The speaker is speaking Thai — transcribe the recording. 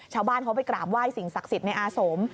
ชาวบ้านเขาไปกราบไหว้สิ่งศักดิ์สิทธิ์ในอาสม